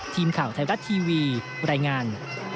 ทีมข่าวไทยวัทย์ทีวีบรรยายงาน